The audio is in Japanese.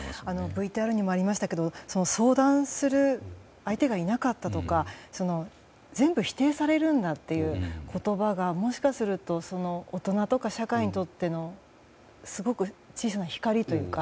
ＶＴＲにもありましたが相談する相手がいなかったとか全部否定されるんだという言葉がもしかすると大人とか社会にとってのすごく小さな光というか。